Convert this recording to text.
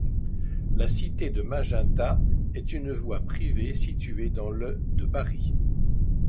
La cité de Magenta est une voie privée située dans le de Paris.